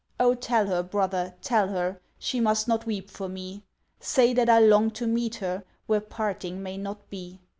Oh! tell her, brother, tell her, She must not weep for me; Say that I long to meet her Where parting may not be.